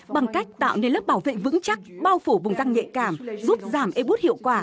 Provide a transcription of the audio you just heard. bằng cách tạo nên lớp bảo vệ vững chắc bao phủ vùng răng nhạy cảm giúp giảm ebot hiệu quả